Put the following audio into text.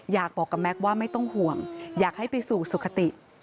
อยากบอกกับแม็กซ์ว่าไม่ต้องห่วงอยากให้ไปสู่สุขติ